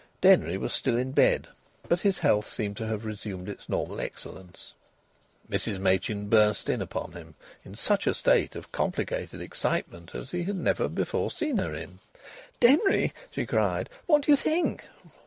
Denry was still in bed, but his health seemed to have resumed its normal excellence. Mrs Machin burst upon him in such a state of complicated excitement as he had never before seen her in. "Denry," she cried, "what do you think?"